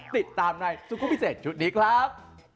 ติดตามในสุขุมพิเศษชุดนี้ครับ